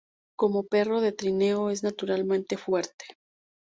Como perro de trineo es naturalmente fuerte.